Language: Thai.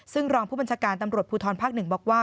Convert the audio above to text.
ซึ่งรองผู้บัญชาการตำรวจภูทรภาค๑บอกว่า